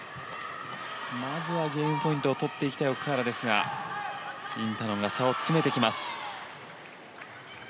まずはゲームポイントを取っていきたい奥原ですがインタノンが差を詰めてきます。